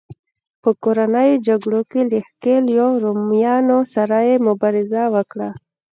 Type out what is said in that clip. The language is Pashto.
په کورنیو جګړو کې له ښکېلو رومیانو سره یې مبارزه وکړه.